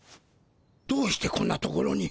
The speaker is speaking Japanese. どうしてこんなところに？